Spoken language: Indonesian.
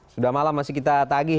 sudah malam masih kita tagih